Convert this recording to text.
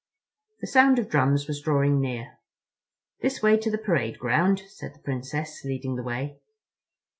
The sound of drums was drawing nearer. "This way to the parade ground," said the Princess, leading the way.